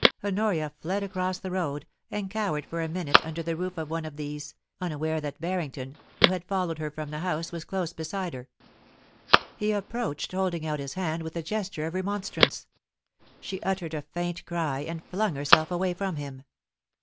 Honoria fled across the road, and cowered for a minute under the roof of one of these, unaware that Barrington, who had followed her from the house, was close beside her. SAVED. 351 He approached, holding out his hand with a gesture of remonstrance. She uttered a faint cry, and flung herself away from him.